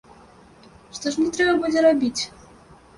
Што ж мне трэба будзе рабіць?